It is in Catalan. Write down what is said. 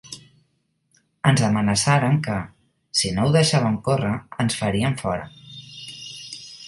Ens amenaçaren que, si no ho deixàvem córrer, ens farien fora.